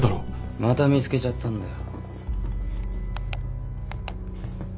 また見つけちゃったんだよ。